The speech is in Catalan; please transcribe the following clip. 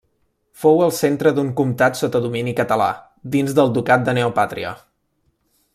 Fou el centre d'un comtat sota domini català, dins del Ducat de Neopàtria.